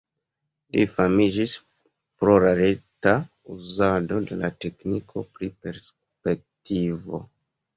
Li famiĝis pro la lerta uzado de la tekniko pri perspektivo.